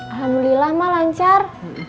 alhamdulillah mah lancar